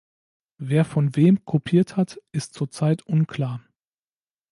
Wer von wem kopiert hat, ist zurzeit unklar.